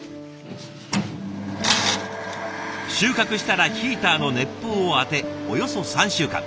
収穫したらヒーターの熱風を当ておよそ３週間。